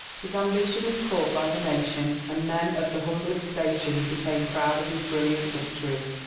His ambition was caught by the nation, and men of the humblest station became proud of his brilliant victories.